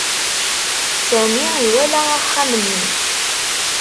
Sami iwala axxam-nni.